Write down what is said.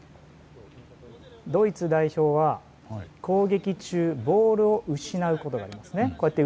ドイツ代表は攻撃中ボールを失うことがありますね。